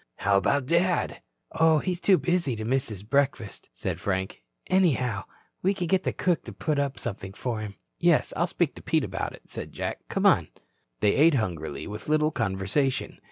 "How about Dad?" "Oh, he's too busy to miss his breakfast," said Frank. "Anyhow, we can get the cook to put up something for him." "Yes, I'll speak to Pete about it," said Jack. "Come on." They ate hungrily with little conversation.